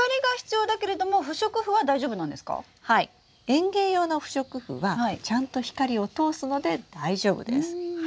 園芸用の不織布はちゃんと光を通すので大丈夫です。